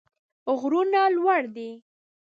غرونه لوړ دي.